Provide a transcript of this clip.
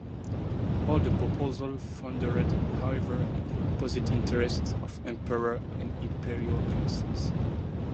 All the proposals foundered, however, on the opposing interests of emperor and imperial princes.